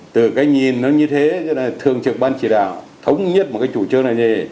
từ cái nhìn nó như thế thường trực ban chỉ đạo thống nhất một cái chủ chương là gì